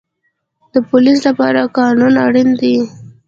د پولیس لپاره قانون اړین دی